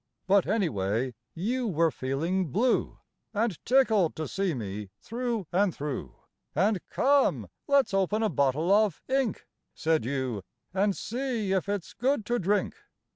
But anyway, you Were feeling blue And tickled to see me through and through. And "Come, let's open a bottle of ink," Said you, "and see if it's good to drink."